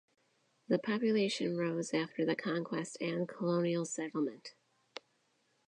The population rose after the conquest and colonial settlement.